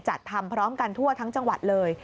จัดทำพร้อมกันทั่วทั้งจังหวัดเลย